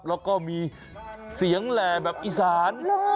แล้วก็มีเสียงแหล่แบบอีสาน